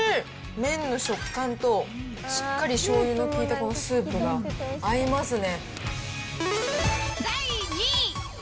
麺の食感と、しっかりしょうゆの効いたこのスープが、合いますね。